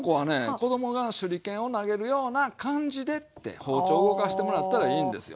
子供が手裏剣を投げるような感じでって包丁を動かしてもらったらいいんですよ。